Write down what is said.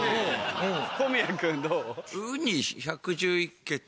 小宮君どう？